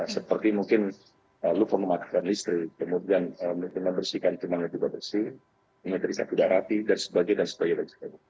seperti mungkin lu formatkan listrik kemudian membersihkan cuman yang tidak bersih mengerjakan kudarati dan sebagainya